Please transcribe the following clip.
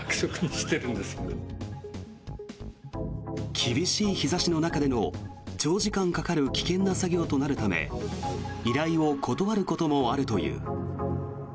厳しい日差しの中での長時間かかる危険な作業となるため依頼を断ることもあるという。